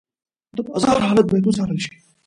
د بازار حالت باید وڅارل شي.